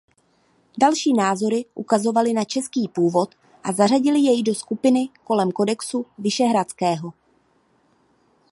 Další názory ukazovaly na český původ a zařadily jej do skupiny kolem Kodexu Vyšehradského.